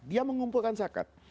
dia mengumpulkan zakat